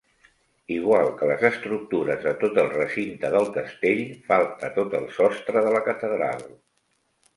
Igual que les estructures de tot el recinte del castell, falta tot el sostre de la catedral.